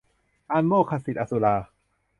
อันโมกขศักดิ์อสุรา